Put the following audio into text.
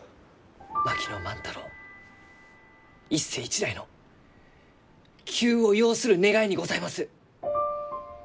槙野万太郎一世一代の急を要する願いにございます！